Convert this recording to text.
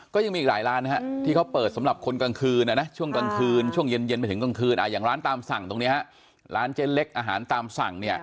ก็ยังมีอีกหลายร้านที่เขาเปิดสำหรับคนกลางคืนช่วงกลางคืนช่วงเย็นไปถึงกลางคืนอย่างร้านตามสั่งตรงนี้ร้านเจ๊เล็กอาหารตามสั่งเนี่ย